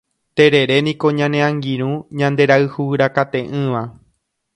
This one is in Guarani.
Tereréniko ñane angirũ ñanderayhurakate'ỹva.